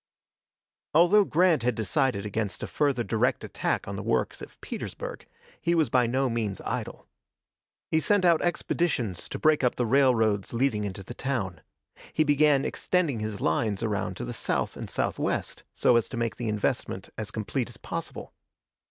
Although Grant had decided against a further direct attack on the works of Petersburg, he was by no means idle. He sent out expeditions to break up the railroads leading into the town. He began extending his lines around to the south and southwest, so as to make the investment as complete as possible.